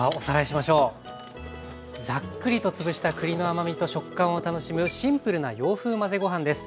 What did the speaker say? ざっくりと潰した栗の甘みと食感を楽しむシンプルな洋風まぜご飯です。